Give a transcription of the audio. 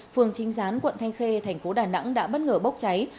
phường chính gián quận thanh khê thành phố đà nẵng đã bất ngờ bốc cháy